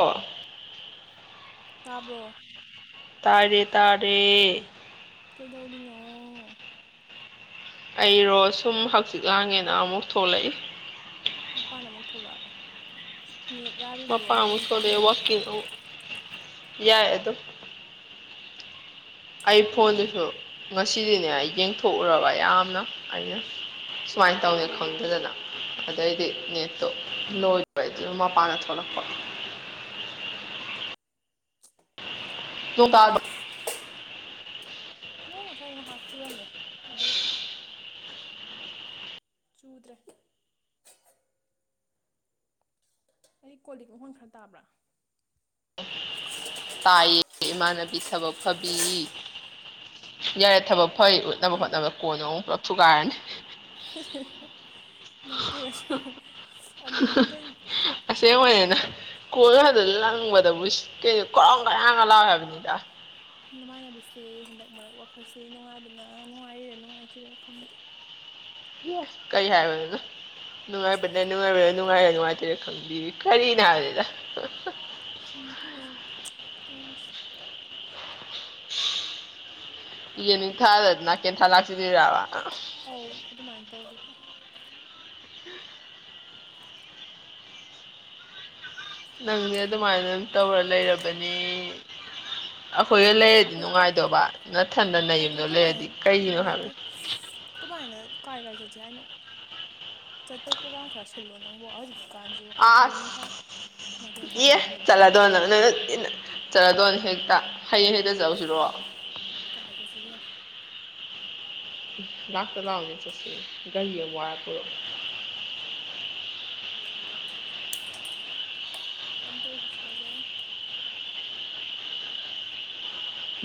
ꯑꯣ ꯇꯥꯕ꯭ꯔꯣ ꯇꯥꯔꯦ ꯇꯥꯔꯦ ꯀꯩꯗꯧꯔꯤꯅꯣ ꯑꯩꯔꯣ ꯁꯨꯝ ꯍꯥꯛꯆꯤꯛ ꯂꯥꯡꯉꯦꯅ ꯑꯃꯨꯛ ꯊꯣꯛꯂꯛꯏ ꯃꯄꯥꯟ ꯑꯃꯨꯛ ꯊꯣꯛꯂꯛꯑꯕ ꯅꯦꯠ ꯌꯥꯔꯤꯕ꯭ꯔꯣ ꯅꯣꯏ ꯃꯄꯥꯟꯒꯤꯗꯣ ꯑꯦꯑꯧ ꯌꯥꯏ ꯑꯗꯨꯝ ꯑꯩ ꯎꯝ ꯐꯣꯟꯗꯨꯁꯨ ꯉꯁꯤꯗꯤꯅꯦ ꯑꯩ ꯌꯦꯡꯊꯣꯛꯎꯔꯕ ꯌꯥꯝꯅ ꯑꯩꯅ ꯁꯨꯃꯥꯏꯟ ꯇꯧꯅꯤ ꯑꯥ ꯈꯪꯗꯗꯅ ꯑꯗꯩꯗꯤ ꯅꯦꯠꯇꯣ ꯑꯥ ꯂꯣꯏꯕꯩꯗꯨꯗ ꯃꯄꯥꯟꯗ ꯊꯣꯛꯂꯛꯄ ꯅꯣꯡ ꯇꯥꯔꯕꯣ ꯅꯣꯡ ꯉꯁꯥꯏ ꯉꯥꯍꯥꯛ ꯆꯨꯔꯝꯃꯦ ꯑꯗꯩ ꯆꯨꯗ꯭ꯔꯦ ꯑꯩ ꯀꯣꯂꯤꯛ ꯃꯈꯣꯟ ꯈꯔ ꯇꯥꯕ꯭ꯔꯥ ꯇꯥꯏꯌꯦ ꯏꯃꯥꯟꯅꯕꯤ ꯊꯕꯛ ꯐꯕꯤ ꯌꯥꯔꯦ ꯊꯕꯛ ꯐꯩ ꯑꯩ ꯍꯣꯠꯅꯕ ꯀꯣꯟ ꯑꯃꯨꯛ ꯄꯨꯂꯞ ꯊꯨꯒꯥꯏꯔꯅꯤ ꯅꯠꯇꯦꯗ ꯑꯗꯨꯝ ꯀꯩ ꯑꯁꯦꯡꯕꯅꯤꯅ ꯀꯣꯏꯕꯗ ꯂꯪꯕꯗꯕꯨ ꯀ ꯀꯔꯥꯎ ꯀꯌꯥꯒ ꯂꯥꯎ ꯍꯥꯏꯕꯅꯤꯗ ꯅꯨꯡꯃꯥꯟꯅꯕꯤꯁꯦ ꯍꯟꯗꯛ ꯃꯔꯛ ꯋꯥꯈꯜꯁꯦ ꯅꯨꯡꯉꯥꯏꯕꯅ ꯅꯨꯡꯉꯥꯏꯔꯤꯔꯥ ꯅꯨꯡꯉꯥꯏꯇ꯭ꯔꯥ ꯈꯪꯅꯗꯦ ꯀꯩ ꯍꯥꯏꯋ ꯑꯗꯨ ꯅꯨꯡꯉꯥꯏꯕꯅ ꯅꯨꯡꯉꯥꯏꯕꯗ ꯅꯨꯡꯉꯥꯏꯔ ꯅꯨꯡꯉꯥꯏꯇꯔ ꯈꯪꯕꯤꯔꯤ ꯀꯔꯤꯅꯣ ꯍꯥꯏꯗꯗ ꯈꯗꯤ ꯑꯩꯁꯨ ꯇꯧꯔꯤꯁꯤ ꯏ ꯅꯤꯡ ꯊꯥꯗꯗꯅ ꯀꯦꯟꯊꯥ ꯂꯥꯛꯁꯤꯗꯔꯕ ꯑꯣꯧ ꯑꯗꯨꯃꯥꯏꯅ ꯇꯧꯔꯤꯕꯣ ꯅꯪꯗꯤ ꯑꯗꯨꯃꯥꯏꯅ ꯑꯗꯨꯝ ꯇꯧꯔ ꯂꯩꯔꯕꯅꯤ ꯑꯩꯈꯣꯏꯗ ꯂꯩꯔꯗꯤ ꯑꯩꯈꯣꯏ ꯅꯨꯡꯉꯥꯏꯗꯕ ꯅꯊꯟꯗ ꯅ ꯌꯨꯝꯗꯣ ꯑꯩꯈꯣꯏ ꯀꯃꯥꯏꯅ ꯂꯩꯔꯗꯤ ꯀꯩꯒꯤꯅꯣ ꯍꯥꯏꯕ ꯅꯠꯇꯦ ꯀꯃꯥꯏꯅ ꯀꯥꯏ ꯀꯥꯏ ꯆꯠꯁꯦ ꯍꯥꯏꯅꯣ ꯆꯠꯄ ꯄ꯭ꯔꯣꯒꯥ꯭ꯔꯥꯝ ꯈꯔ ꯁꯤꯜꯂꯣ ꯅꯪꯕ ꯍꯧꯖꯤꯛ ꯀꯥꯟꯁꯤ ꯑ ꯌꯦ ꯄꯨꯟꯁꯤꯟꯅꯕꯁꯨ ꯅꯨꯡꯉꯥꯏꯇꯦ ꯆꯂꯗꯣꯅ ꯆꯠꯂꯗꯣꯏꯅꯦ ꯍꯦꯛꯇ ꯍꯌꯦꯡ ꯍꯦꯛꯇ ꯆꯠꯂꯁꯤꯔꯣ ꯀꯥꯏ ꯆꯠꯁꯤꯒꯦ ꯉꯥꯛꯇ ꯂꯥꯛꯑꯣꯅꯦ ꯆꯠꯁꯤ ꯒꯥꯔꯤ ꯑꯃ ꯋꯥꯔ ꯄꯨꯔꯛꯑꯣ ꯈ‌ꯣꯏ ꯅ ꯇꯧꯔꯤꯁꯤ ꯁꯣꯏꯔꯦ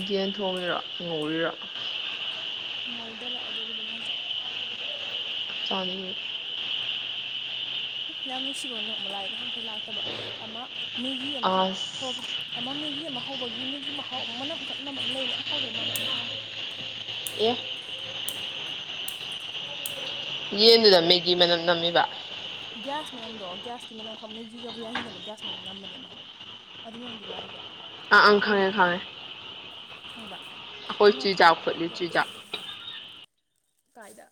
ꯌꯦꯟ ꯊꯣꯡꯉꯤꯔ‌ꯣ ꯉꯧꯔꯤꯔ‌ꯣ ꯉꯧꯗꯔꯛꯑꯗꯣꯔꯤꯕꯅ‌ꯦ ꯍꯧꯖꯤꯛ ꯆꯥꯅꯤꯡꯉ‌ꯦ ꯌꯥꯝ ꯅꯨꯡꯁꯤꯕꯅꯣ ꯑꯃ ꯂꯥꯏ ꯅꯍꯥꯟꯈꯩ ꯂꯥꯛꯇꯕ ꯑꯃ ꯃꯦꯒꯤ ꯑꯃꯈꯛ ꯑꯁ ꯍꯧꯔꯛꯄ ꯑꯃ ꯃꯤꯒꯤ ꯑꯃ ꯍꯧꯕꯒꯤ ꯃꯤꯒꯤ ꯃꯍꯥꯎ ꯑꯃ ꯃꯅꯝ ꯀꯛꯅꯝ ꯑꯟꯃ ꯂꯩꯅꯦ ꯌꯥꯝ ꯍꯥꯎꯗꯧ ꯃꯥꯥꯟꯅꯕ ꯃꯍꯥꯎ ꯑꯦ ꯌꯦꯟꯗꯨꯗ ꯃꯦꯒꯤ ꯃꯅꯝ ꯅꯝꯃꯤꯕ ꯒ꯭ꯌꯥꯁ ꯃꯅꯝꯗꯣ ꯒ꯭ꯌꯥꯁꯀꯤ ꯃꯅꯝ ꯑꯃꯈꯛ ꯃꯦꯒꯤꯒꯕꯨ ꯌꯥꯟꯁꯤꯟꯅꯕ ꯒ꯭ꯌꯥꯁ ꯃꯅꯝ ꯅꯝꯕꯅꯦꯕ ꯑꯗꯨꯏ ꯃꯅꯝ ꯗ‌ꯣ ꯂꯥꯛꯏꯕ ꯑꯪ ꯑꯪ ꯀꯔꯤꯅꯣ ꯈꯪꯉꯦ ꯈ‌ꯪꯗ‌ꯦ ꯈꯪꯉꯦ ꯈꯪꯕ꯭ꯔꯥ ꯑꯩꯈꯣꯏ ꯃꯅꯥꯥꯡꯈꯣꯠ ꯆꯨꯖꯥꯛ ꯂꯩꯕꯗꯣ ꯐꯨꯠꯂꯤ ꯒ꯭ꯌꯥꯁ ꯆꯨꯖꯥꯛ ꯃꯅꯝ ꯀꯥꯏꯗ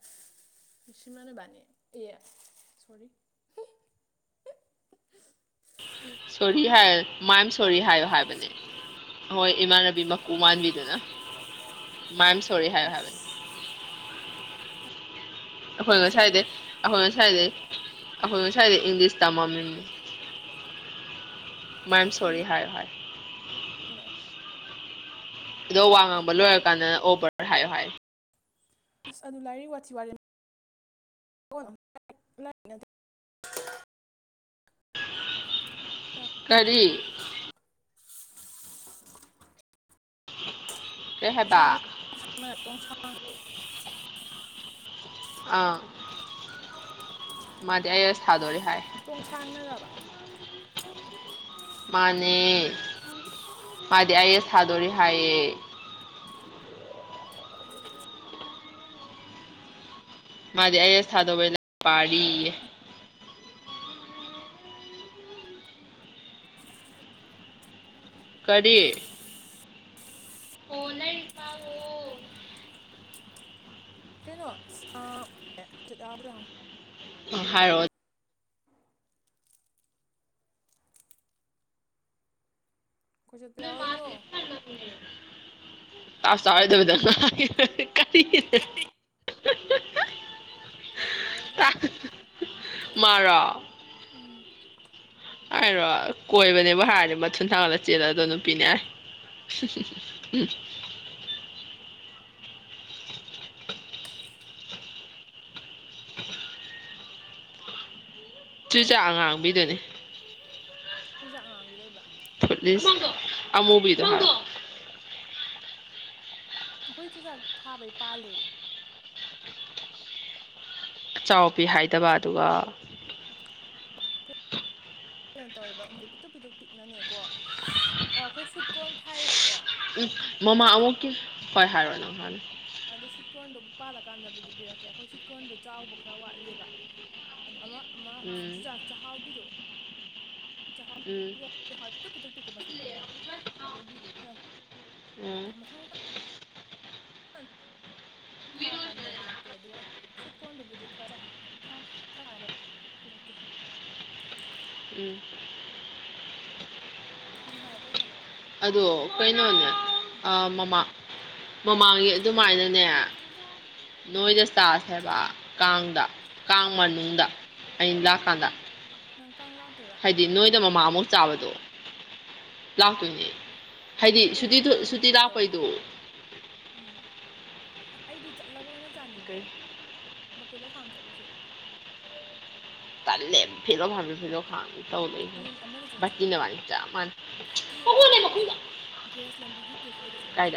ꯃꯤꯁꯤ ꯃ ꯅꯚꯥꯅꯤ ꯑꯦ [inaudible] ꯁꯣꯔꯤ ꯍꯥꯏꯌ ꯃꯌꯥꯝ ꯁꯣꯔꯤ ꯍꯥꯏꯌꯣ ꯍꯥꯏꯕꯅꯦ ꯍꯣꯏ ꯏꯃꯥꯟꯅꯕꯤ ꯃꯀꯨ ꯃꯥꯟꯕꯤꯗꯨꯅ ꯃꯥꯏ ꯑꯦꯝ ꯁꯣꯔꯤ ꯍꯥꯏꯌꯣ ꯍꯥꯏꯕꯅꯤ ꯑꯁ ꯑꯩꯈꯣꯏ ꯑꯥꯏ ꯁꯣꯔꯤ ꯉꯁꯥꯏꯗꯩ ꯑꯩꯈꯣꯏ ꯉꯁꯥꯏꯗꯩ ꯑꯩꯈꯣꯏ ꯉꯁꯥꯏꯗꯩ ꯏꯪꯂꯤꯁ ꯇꯝꯃꯃꯤꯅꯤ ꯃꯥꯏ ꯑꯦꯝ ꯁꯣꯔꯤ ꯍꯥꯏꯌ‌ꯣ ꯍꯥꯏ ꯑꯗꯣ ꯋꯥ ꯉꯥꯡꯕ ꯂꯣꯏꯔ ꯀꯥꯟꯗꯅ ꯑꯣ ꯕꯔ ꯍꯥꯏꯌꯣ ꯍꯥꯏ ꯑꯁ ꯑꯗꯨ ꯂꯥꯏꯔꯤꯛ ꯋꯥꯠꯤ ꯋꯥꯔꯦ [unintelligible] ꯑꯥ, ꯀꯔꯤ [inaudible] ꯍꯥꯏꯕ ꯄꯁꯥꯡ [unintelligible] ꯄꯣꯡꯁꯥꯡꯗꯣ ꯑꯥ ꯃꯥꯗꯤ ꯑꯩꯒꯥ ꯁꯗꯣꯔꯤ ꯍꯥꯏ ꯇꯣꯡ ꯁꯥꯡꯅꯔꯕ [unintelligible] ꯃꯥꯅꯦ ꯃꯥꯗꯤ ꯑꯩꯒ ꯁꯗꯣꯔꯤ ꯍꯥꯏꯌꯦ ꯃꯥꯗꯤ ꯑꯩꯒ ꯁ ꯗꯧꯕꯩ [unintelligible] ꯄꯥꯔꯤꯌꯦ ꯀꯔꯤ ꯑꯣꯅꯩ ꯀꯩꯅꯣ ꯑ [unintelligible] ꯌꯥꯔꯗ꯭ꯔꯣ ꯑꯝ ꯍꯥꯏꯔꯛꯑ‌ꯣ ꯀꯣꯏ ꯆꯠꯄ ꯌꯥꯔꯣꯏꯗ꯭ꯔꯣ [unintelligible] [unintelligible] ꯀꯣꯏ ꯆꯠꯄ ꯌꯥꯎꯔꯣꯏꯗ꯭ꯔꯥ ꯍꯥꯏꯕ ꯃꯥꯔꯣ ꯎꯝ ꯍꯥꯏꯔꯣ ꯀꯣꯏꯕꯅꯦꯕꯨ ꯍꯥꯏꯔꯗꯤ ꯃꯊꯨꯟ ꯊꯥꯡꯒꯠꯂ ꯆꯦꯜꯂꯛꯑꯗꯧ ꯅꯨꯄꯤꯅꯦ ꯑ‌ꯦ [unintelligible] ꯆꯨꯖꯥꯛ ꯑꯉꯥꯡꯕꯤꯗꯨꯅꯦ ꯆꯨꯖꯥꯛ ꯑꯥꯉꯡꯕꯤ ꯂꯩꯕ꯭ꯔꯥ ꯏꯁ ꯑꯃꯨꯕꯤꯗ‌ꯣ ꯍꯥꯏꯕ ꯑꯩꯈꯣꯏ ꯆꯨꯖꯥꯛ ꯊꯥꯕꯩ ꯄꯥꯜꯂꯦ ꯆꯥꯎ ꯄꯤ ꯍꯥꯏꯗꯕ ꯑꯗꯨꯒ ꯀꯩꯅꯣ ꯇꯧꯋꯦꯕ ꯄꯤꯇꯨꯛ ꯄꯤꯇꯛ ꯄꯤꯛꯅꯅꯦꯀꯣ ꯑꯩꯈꯣꯏ ꯁ꯭ꯋꯤꯠ ꯀꯣꯔꯟ ꯊꯥꯏꯌꯦꯕꯀꯣ ꯎꯝ ꯃꯃꯥ ꯑꯃꯨꯛꯀꯤ ꯍꯣꯏ ꯍꯥꯏꯔꯣ ꯅꯪ ꯍꯥꯟꯅ ꯑꯗꯩ ꯁ꯭ꯋꯤꯠꯀꯣꯔꯟꯗꯣ ꯄꯥꯜꯂꯀꯥꯟꯗꯕꯨꯗꯤ ꯄꯤꯔꯛꯀꯦ ꯑꯩꯈꯣꯏ ꯁ꯭ꯋꯠꯀ ꯀꯣꯔꯟꯗꯣ ꯆꯥꯎꯕ ꯈꯔ ꯋꯥꯠꯂꯤꯑ‌ꯦꯕ ꯑꯗ ꯑꯃ ꯃ ꯎꯝ ꯆꯨꯖꯥꯛ ꯆꯥꯛꯍꯥꯎꯒꯤꯗꯣ ꯎꯝ ꯆꯥꯛꯍꯥꯎꯍꯥꯎ ꯄꯤꯇꯛ ꯄꯤꯛꯇꯛ ꯄꯤꯛꯀꯣ ꯃꯁꯛꯇꯨꯅ ꯑꯗꯨꯒꯤ ꯐꯅ ꯎꯝ ꯊꯥꯔꯀꯥꯟꯗꯔꯛꯀꯦ ꯑꯗꯨꯒ ꯁ꯭ꯋꯤꯠ ꯀꯣꯔꯟꯗꯨꯕꯨꯗꯤ ꯈꯔ ꯊꯀꯥꯟꯗ ꯄꯤꯔꯛꯀꯦ ꯎꯝ ꯅꯨꯡ ꯍꯥꯏꯥꯏꯔꯛꯄꯩ ꯍꯥꯏꯕ ꯑꯗꯣ ꯀꯩꯅꯣꯅꯦ ꯃꯃꯥꯡ ꯃꯃꯥꯡꯒꯤ ꯑꯗꯨꯃꯥꯏꯅ ꯅꯦ ꯅꯣꯏꯗ ꯎꯝ ꯆꯥꯁ ꯍꯥꯏꯦꯕ ꯀꯥꯡꯗ ꯀꯥꯡ ꯃꯅꯨꯡꯗ ꯑ ꯂꯥꯛ ꯀꯥꯟꯗ ꯅꯪ ꯀꯪ ꯂꯥꯛꯄꯤꯔꯣ ꯑꯗꯨꯗꯤ ꯅꯣꯏꯗ ꯃꯃꯥꯃꯨꯛ ꯆꯥꯕꯗꯣ ꯂꯥꯛꯇꯣꯏꯅꯦ ꯍꯥꯏꯗꯤ ꯑꯩꯈꯣꯏ ꯁꯨꯇꯤ ꯅꯍꯥꯟ ꯀꯥꯡꯒꯤ ꯁꯨꯇꯤ ꯀꯩꯅꯣ ꯇꯧꯋꯤꯅꯦ ꯂꯥꯛꯄꯩꯗꯨꯣ ꯎꯝ ꯑꯩꯗꯤ ꯆꯠꯂꯒ ꯑꯣꯏꯅ ꯆꯥꯅꯤꯡꯉꯦ ꯀꯩ ꯕꯄꯦꯂꯣꯥꯝ ꯆꯠꯂꯨꯁꯦ ꯇꯥꯏ ꯂ ꯐꯤꯔꯣ ꯐꯥ ꯐꯤꯔꯣ ꯈ ꯇ ꯑꯗꯨꯗꯤ ꯑꯃꯗ ꯆꯠꯁꯦ ꯂꯩꯅꯦ ꯆ ꯑꯦ ꯀꯩꯅꯣ ꯆꯠꯂꯨꯁꯦ ꯒ꯭ꯔꯦꯁ ꯂꯝꯕꯤꯒꯤ ꯀꯦꯐꯦꯗ ꯆꯪꯉꯨꯁꯦ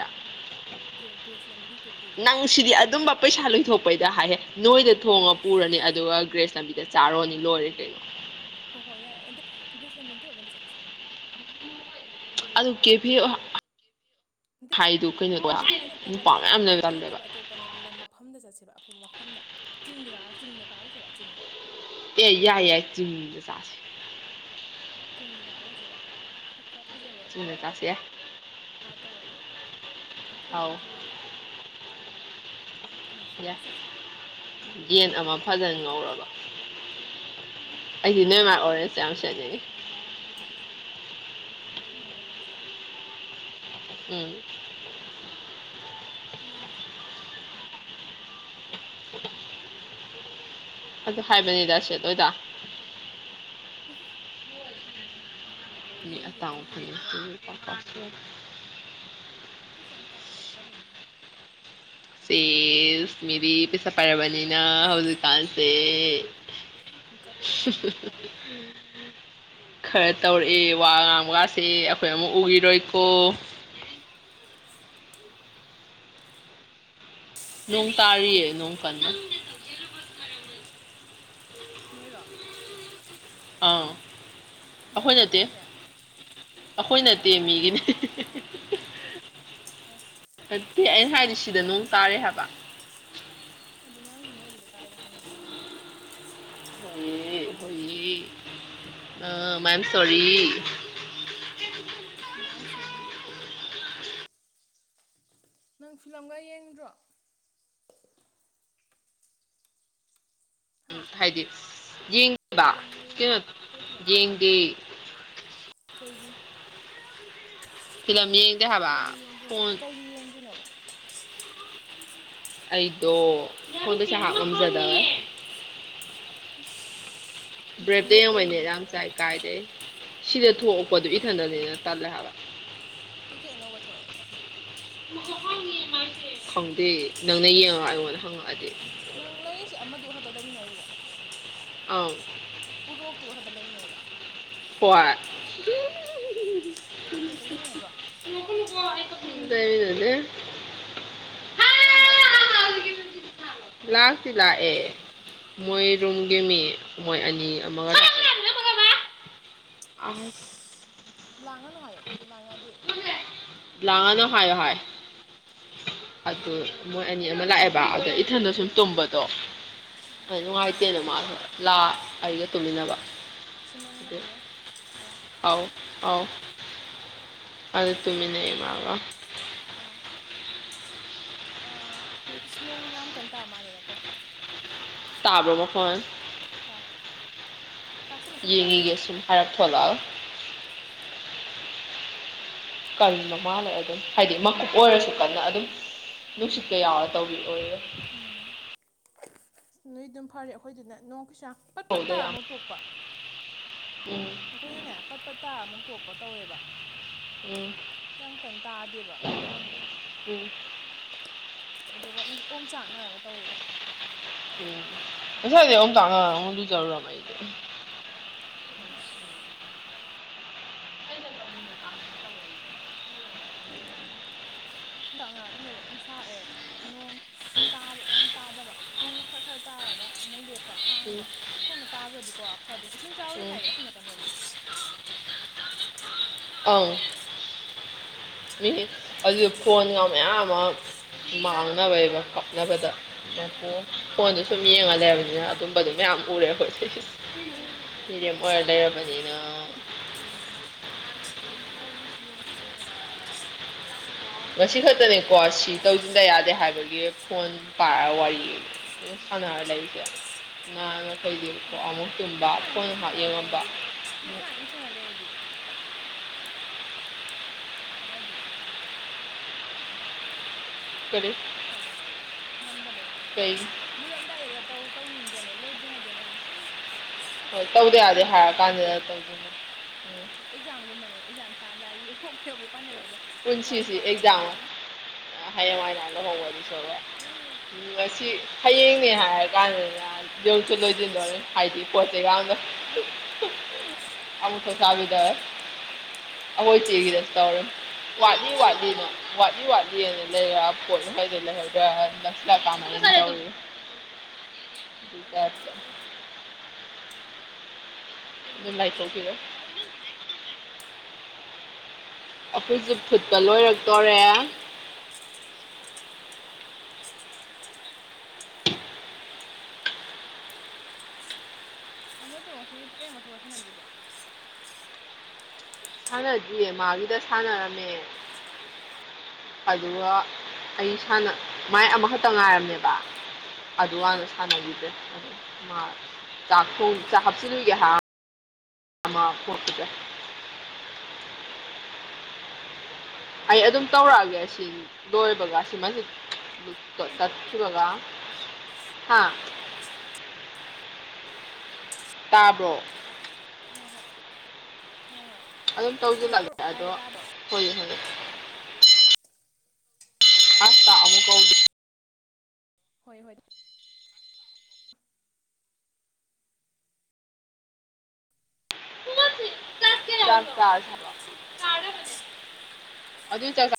ꯒ꯭ꯔꯦꯁ ꯂꯝꯕꯤꯒꯤ ꯀꯦꯐꯦꯗꯣ ꯅꯪ ꯁꯤꯗꯤ ꯑꯗꯨꯝꯕ ꯄꯩꯁꯥ ꯂꯣꯏꯊꯣꯛꯄꯩꯗ ꯍꯥꯏꯍꯦ ꯅꯣꯏꯗ ꯊꯣꯡꯉ ꯑꯁ ꯄꯨꯔꯅꯤ ꯑꯗꯨꯒ ꯒ꯭ꯔꯦꯁ ꯂꯝꯕꯤꯗ ꯆꯥꯔꯨꯔꯅꯤ ꯂꯣꯏꯔꯦ ꯀꯩꯅꯣ ꯍꯣꯏ ꯍꯣꯏ ꯌꯥꯏꯦ ꯑꯟꯗ ꯒ꯭ꯔꯤꯁ ꯂꯝꯕꯤꯗꯣ ꯑꯃꯗ ꯆꯥꯁꯦ ꯑꯗꯨ ꯀꯦꯐꯦ ꯅꯠꯇꯦ ꯍꯥꯏꯗꯨꯣ ꯀꯩꯅꯣꯗꯣ ꯀꯦꯐꯦ ꯅꯨꯄꯥ ꯅꯠꯇꯕꯅꯦ ꯃꯌꯥꯝ ꯂꯩ ꯀꯦꯐꯦ ꯆꯜꯂꯦꯕ ꯅꯠꯇꯕ ꯑꯇꯣꯞꯄꯅꯦ ꯂꯝ ꯃꯐꯝꯗ ꯆꯠꯁꯦꯕ ꯑꯐꯕ ꯃꯐꯝꯗ ꯆꯤꯡꯗ ꯆꯤꯡꯗ ꯀꯥꯔꯨꯁꯦꯕ ꯆꯤꯡ ꯑꯦ ꯌꯥꯏ ꯌꯥꯏ ꯆꯤꯝꯗꯦ ꯆꯥꯁꯦ ꯆꯤꯡꯗ ꯆꯥꯔꯨꯔꯁꯦꯕ ꯈꯔ ꯐꯖꯕ ꯆꯤꯡꯗ ꯃꯄꯥ ꯆꯥꯁꯦ ꯌꯥꯏ ꯃꯥ ꯇꯧꯔꯒ ꯊꯣꯡꯉꯒ ꯑꯧ ꯄꯨꯔꯦꯗꯅ ꯐꯥꯟꯍꯩꯁꯦꯂ ꯌꯥꯏ ꯆꯠꯁꯦ ꯌꯦꯟ ꯑꯃ ꯐꯖꯅ ꯉꯧꯔꯕ ꯑꯩꯁꯤ ꯅꯣꯏꯃ ꯑꯣꯏꯔꯁꯦ ꯌꯥꯝ ꯆꯅꯤꯡꯉꯤ ꯈꯨꯩꯃꯥꯏ ꯑꯣꯔꯦꯟꯖꯇ ꯎꯝ ꯌꯦꯡ ꯎ ꯑꯗꯨ ꯍꯥꯏꯕꯅꯤꯗ ꯁꯤ ꯑꯗꯨꯏꯗ ꯍꯥꯏꯥꯏꯕꯗꯤꯗꯁꯦꯗꯗ ꯊꯤꯈꯤꯒꯦ ꯑꯗꯨꯒ ꯑ ꯀꯩꯁꯥ ꯌꯥꯝ ꯇꯥꯡꯕ ꯅꯠꯇꯕꯅꯤ ꯁꯦꯁ ꯃꯤꯔꯤ ꯄꯩꯁꯥ ꯄꯥꯏꯔꯕꯅꯤꯅ ꯑꯁ ꯍꯧꯖꯤꯛꯀꯥꯟꯁꯦ ꯑꯦ ꯒꯞ ꯊꯤꯅ ꯇꯧꯈꯥꯏꯔꯛꯏꯍ ꯈꯔ ꯇꯧꯔꯛꯑꯦ ꯋꯥ ꯉꯥꯡꯕꯒꯥꯁꯦꯦ ꯑꯩꯈꯣꯏ ꯑꯃꯨꯛ ꯎꯈꯤꯔꯣꯏꯀꯣ ꯅꯣꯡ ꯇꯥꯔꯤꯌꯦ ꯅꯣꯡ ꯀꯟꯅ ꯅꯣꯏꯔꯣ ꯑꯥ ꯅꯣꯏꯔꯣ ꯑꯩꯈꯣꯏ ꯅꯪ ꯅꯠꯇꯦ ꯇꯥꯏꯁꯦ ꯑꯩꯈꯣꯏ ꯅꯠꯇꯦ ꯃꯤꯒꯤ ꯣꯏ ꯑ ꯑꯗꯨꯗꯤ ꯑꯩꯅ ꯍꯥꯏꯗꯤ ꯁꯤꯗ ꯅꯨꯡ ꯇꯥꯔꯦ ꯍꯥꯏꯕ ꯑꯗꯨ ꯅꯥꯡꯁꯤ ꯅꯣꯏ ꯑꯗꯨꯗ ꯇꯥꯏꯗ ꯍꯪꯉꯅꯤ ꯑꯉꯥꯡꯒꯤꯁꯦ ꯍ ꯍ ꯑ ꯃꯥꯏꯦꯝ ꯁꯣꯔꯤ ꯃꯥꯏ ꯁꯔꯍꯤꯤ ꯅꯪ ꯐꯤꯂꯝꯒ ꯌꯦꯡꯗ꯭ꯔꯣ ꯎꯝ ꯍꯥ ꯍꯥꯏꯗꯤ ꯌꯦꯡꯗꯦꯕ ꯐꯤꯂꯝꯒ ꯀꯩꯅꯣ ꯌꯦꯡꯗ꯭ꯔꯣ ꯀꯩ ꯐꯤꯂꯝ ꯌꯦꯡꯗꯦ ꯀꯩꯒꯤ ꯐꯤꯂꯝ ꯌꯦꯡꯗꯦ ꯍꯥꯏꯕ ꯐꯣꯟ ꯀꯔꯤ ꯌꯦꯡꯗꯣꯏꯅꯣꯕ ꯑꯩꯗꯣ ꯑꯩꯟꯗꯁꯨ [unintelligible] ꯍꯥꯞ ꯎꯝ ꯉꯝꯖꯗꯕꯦ ꯏꯁ ꯕ꯭ꯔꯦꯗ‌ꯦ ꯅꯦꯠ ꯑꫭꯏꯅ ꯂꯩꯔꯤꯗꯨꯗꯤ ꯌꯥꯝ ꯅꯣꯏ ꯆꯥꯏ ꯀꯥꯏꯗꯩ ꯁꯤꯗ ꯊꯣꯛꯂꯛꯄꯗꯨ ꯏꯊꯟꯗꯅꯤꯅ ꯇꯜꯂꯦ ꯍꯥꯏꯕ ꯊꯤꯀꯦꯠ ꯂꯧꯕ ꯊꯣꯛꯑꯦ ꯁꯤꯗ ꯈꯪꯗꯦ ꯅꯪꯅ ꯌꯦꯡꯉꯒ ꯑꯩꯉꯣꯟꯗ ꯍꯪꯉꯛꯑꯗꯤ ꯅꯪ ꯂꯩꯔꯤꯁꯦ ꯑꯃꯗꯨ ꯈꯛꯇ ꯂꯩꯃꯤꯟꯅꯔꯤꯔꫭ ꯑꯧ ꯎꯔꯣꯛꯇꯨꯒ ꯈꯛꯇ ꯂꯩꯃꯤꯟꯅꯩꯔꫭ ꯍꯣꯏ ꯑꯇꯣꯞꯄꯗ ꯂꯩꯃꯤꯟꯅꯗ꯭ꯔꯣ ꯔꯤꯗ [unintelligible] ꯀꯅꯥ ꯂꯅꯥꯆꯨꯒ [unintelligible] ꯅꯨꯡꯁꯤꯠ ꯊꯥꯕ ꯂꯥꯛꯇꯤ ꯂꯥꯛꯑꯦ ꯃꯣꯏ ꯔꯨꯝꯒꯤ ꯃꯤ ꯃꯣꯏ ꯑꯅꯤ ꯑꯃꯒ ꯂꯥꯛꯑꯦ ꯑꯁ ꯂꯥꯡꯉꯅꯨ ꯍꯥꯏꯌꯣ ꯂꯥꯡꯉꯗꯤ ꯂꯥꯡꯉꯅꯣ ꯍꯥꯏꯌꫭ ꯍꯥꯏ ꯑꯗꯨ ꯃꯣꯏ ꯑꯅꯤ ꯑꯃ ꯂꯥꯛꯑꯦꯕ ꯑꯗ ꯏꯊꯟꯗ ꯁꯨꯝ ꯇꯨꯝꯕꯗꯣ ꯑꯗꯨ ꯑꯥ ꯅꯨꯡꯉꯥꯏꯇꯦꯅ ꯃꯥꯁꯨ ꯂ ꯑꯩꯒ ꯇꯨꯃꯤꯟꯅꯕ ꯁꯤꯃꯥꯡ ꯂꯥꯛꯑ [unintelligible] ꯑꯧ ꯑꯧ ꯑꯗ ꯇꯨꯃꯤꯟꯅꯩ ꯃꯥꯒ ꯑꯣ ꯑꯥ ꯏꯁ ꯅꯣꯡ ꯌꯥꯝ ꯀꯟ ꯇꯥ ꯃꯥꯜꯂꯦꯗꯀꯣ ꯇꯥꯕ꯭ꯔꯣ ꯃꯈꯣꯟ ꯇꯥꯏ ꯇꯥꯁꯅꯨ ꯀꯩꯁꯨ ꯀꯥꯏꯗꯦ ꯌꯦꯡꯉꯒꯦꯁꯤ ꯐꯔꯞ ꯊꯂ [unintelligible] ꯀꯔꯤꯅꯣ ꯃꯥꯜꯂꯦ [unintelligible] ꯑꯗꯨꯝ ꯍꯥꯏꯗꯤ ꯃꯀꯨꯞ ꯑꯣꯏꯔꯁꯨ ꯀꯟꯅ ꯑꯗꯨꯝ ꯅꯨꯡꯁꯤꯠꯀ ꯌꯥꯎꯔ ꯇꯧꯕꯤꯑꯣꯌ‌ꯦ ꯅꯣꯏ ꯑꯗꯨꯝ ꯐꯔꯤ ꯑꯩꯈꯣꯏꯗꯨꯅ‌ ꯅꯣꯡ ꯀꯩꯁꯨ ꯌꯥꯝ ꯄꯠ ꯄꯠ ꯍꯧꯗ ꯌꯥꯝ ꯇꯥꯔꯝꯃ ꯇꯣꯛꯄ ꯎꯝ ꯑꯩꯈꯣꯏꯅꯅꯦ ꯄꯠ ꯄꯠ ꯇꯥꯔꯝꯃ ꯇꯣꯛꯄ ꯇꯧꯋꯦꯕ ꯎꯝ ꯌꯥꯝ ꯀꯟꯅ ꯇꯥꯗꯦꯕ ꯅꯣꯡꯗꯣ ꯎꯝ ꯑꯗꯨꯒ ꯑꯗꯨꯝ ꯑꯣꯝ ꯆꯥꯛꯅꯔꯒ ꯇꯧꯋꯦꯕ ꯎꯁꯥꯏꯗ ꯇꯥꯡꯉꯨ ꯆꯔꯨꯔꯥꯏꯗ [unintelligible] ꯏꯁ ꯍꯗꯥꯛ ꯉꯔ ꯑꯗꯨꯝ ꯂꯩꯕ ꯑꯗꯨꯝ ꯁꯔꯑꯦ [unintelligible] ꯅꯣꯡ ꯇꯥꯕ ꯌꯥꯝ ꯇꯥꯗꯕ ꯅꯨꯡꯅ ꯈꯔ ꯈꯔ ꯇꯥꯔꯒ ꯑꯃꯨꯛ ꯂꯦꯞ ꯈꯠꯄ ꯍꯥꯡꯕ ꯐꯅ ꯇꯥꯈ꯭ꯔꯗꯤꯀꯣ ꯐꯗ ꯏꯁꯤꯡ ꯆꯥꯎꯔꯤ ꯎꯝ ꯎꯝ ꯍꯥꯏꯌꯦ ꯑꯁꯣꯝ ꯅꯥꯀꯟ ꯔꯣꯝꯗꯗꯤ ꯑꯧ ꯃꯤꯅꯤ ꯑꯗꯨ ꯐꯣꯟꯒ ꯃꯌꯥꯝ ꯑꯃ ꯃꯥꯡꯅꯕꯩꯕ ꯀꯞꯅꯕꯗ ꯐꯣꯟꯗ ꯁꯨꯝ ꯌꯦꯡꯉ ꯂꯩꯕꯅꯤꯅ ꯑꯗꯨꯝꯕꯗꯨ ꯃꯌꯥꯝ ꯎꯔꯦ ꯑꯩꯈꯣꯏ ꯃꯤꯔ‌ꯦꯝ ꯑꫭꯏꯔ ꯂꯩꯔꯕꯅꯤꯅ ꯑꯩꯗꯤ ꯐꯣꯟꯒꯁꯤ ꯌꯦꯡ ꯁꯪꯗ꯭ꯔꯦ ꯉꯁꯤ ꯈꯛꯇꯅꯤꯀꯣ ꯁꯤ ꯇꯧꯁꯤꯟꯗ ꯌꯥꯗꯦ ꯍꯥꯏꯕꯒꯤ ꯐꯣꯟ ꯄꯥꯒ ꯋꯥꯔꯤ ꯁꯅꯔ ꯂꯩꯕꯁꯦ ꯑꯩꯒꯤꯗꯤ ꯀꯣ ꯑꯃꯨꯛ ꯇꯨꯝꯕ ꯁꯨꯃꯥꯏꯅ ꯐꫭꯟ ꯉꯥꯛꯍꯥꯛ ꯌꯦꯡꯉꯝꯕ ꯊꯥꯅꯦꯗꯤ [unintelligible] ꯈꯥꯔꯗꯤ ꯀꯔꯤ ꯐꯗꯧꯅꯤ ꯉꯝꯗꯕꯩ ꯋꯥꯅꯤ ꯍꯥꯏꯗꯤ ꯀꯩ ꯂꯣꯏꯔꯝꯗꯥꯏꯗ ꯇꯧ ꯇꯧꯅꯤꯡꯗ꯭ꯔꯅꯦ ꯂꯣꯏꯗ꯭ꯔꯤꯉꯩꯗꯅ ꯑꯃꯨꯛ ꯁꯨꯝ ꯑꯁ ꯑꯁ ꯍꯣꯏ ꯇꯧꯗ ꯁꯥꯔ ꯌꯥꯗꯦ ꯇꯟꯕꯩꯗꯤ ꯍꯥꯏꯔ ꯇꯥꯕꯩ ꯀꯥꯟꯗꯅ ꯊꯣꯛꯏꯗꯅ ꯇꯧꯗꯣꯏꯅꯤ ꯎꯝ ꯍꯣꯏ ꯑꯦꯛꯖꯥꯝꯒꯨꯝꯕꯅꯦꯕ ꯑꯦꯛꯖꯥꯝ ꯊꯥꯔꯝꯗꯥꯏꯒꯤ ꯍꯣꯕ‌ꯦ ꯍꯣꯕ‌ꯦ ꯄꯥꯅꯤꯡꯉꯛꯄꯗꯣ ꯋꯥꯠꯂꯤꯀꯥꯟꯗꯅ ꯇꯜꯂꯥ ꯍꯌꯦ ꯍꯥꯏꯅꯅ ꯍꯣꯡꯕ ꯑꯗꯨ ꯁꯂꯦ ꯅꯨ ꯁꯤ ꯐꯌꯦꯡꯅꯦ ꯍꯥꯏ ꯀꯥꯟ ꯗꯁꯨ ꯂꯣꯏꯗꯤꯅꯔꯦ ꯍꯥꯏꯗꯤ ꯄꯣ ꯆꯩꯦꯒ ꯑꯃꯅ ꯎꯝ ꯍꯣꯏ ꯑꯃꯨꯊꯁꯥꯕꯤꯗ ꯑꯩꯈꯣꯏ ꯏꯆꯦꯒꯤꯗꯁꯨ ꯇꯧꯔ ꯋꯥꯠꯂꯤ ꯋꯥꯠꯂꯤꯅ ꯋꯥꯂꯤ ꯋꯥꯂꯤꯂ ꯐꯣꯟ ꯍꯥꯏꯂ ꯍꯗ ꯅꯁꯂ ꯀꯃ ꯊꯀꯥꯏ ꯑꯥ ꯑꯗꯨꯅꯦ ꯇꯧꯔꯤꯁꯦ ꯑꯩꯈꯣꯏꯒꯤ ꯑꯗꯨꯝ ꯆꯥꯛꯁꯨ ꯂꯥꯏꯊꯣꯛꯈꯤꯗ ꯂꯣꯏꯔꯦ ꯑꯩꯈꯣꯏꯁꯦ ꯐꯨꯠꯄꯥ ꯂꯣꯏꯔꯛꯇꯣꯔꯦ ꯑꯃ ꯇꯣ ꯉꯁꯤ ꯀꯌꯥꯨꯛ ꯋꯥꯔꯤ ꯁꯥꯟꯅꯗ꯭ꯔꯤꯕꯣ ꯁꯥꯟꯅꯗ꯭ꯌꯦ ꯃꯥꯕꯤꯗ ꯁꯥꯟꯅꯔꯝꯃꯦ ꯑꯗꯨꯒ ꯑꯩ ꯏꯁꯥꯅ ꯃꯥꯏ ꯑꯃꯈꯛꯇ ꯉꯥꯏꯔꯝꯅꯦꯕ ꯑꯗꯨꯀꯥꯟꯅ ꯁꯥꯟꯅꯈꯤꯗ꯭ꯔꯦ ꯑ ꯃꯥ ꯆꯀꯊꯣꯡ ꯆꯥꯛ ꯍꯥꯞꯆꯤꯜꯂꯨꯒꯦ ꯍꯥꯏ ꯑꯃ ꯀꯄꯤꯗ ꯑꯩ ꯑꯗꯨꯝ ꯇꯧꯔꯛꯑꯒꯦ ꯁꯤ ꯂꯣꯏꯕꯒ ꯁꯤꯃꯁ ꯇꯁꯤꯒ ꯍꯥꯥ ꯇꯥꯕ꯭ꯔꯣ ꯍꯣꯏ ꯍꯣꯏ ꯍꯣꯏ ꯍꯣꯏ ꯑꯗꯨꯝ ꯍꯣꯏ ꯇꯧꯁꯤꯜꯂꯒꯦ ꯇꯧꯔꯛ ꯇꯥꯏꯦ ꯑꯗꯣ ꯇꯥꯕꯣ ꯍꯣꯏ ꯍꯣꯏꯦ ꯑ ꯇ ꯑꯃꯨꯛ ꯀꯧ ꯍꯣꯏ ꯍꯣꯏ ꯆ ꯑꯗꯨ ꯑꯗꯨ ꯆ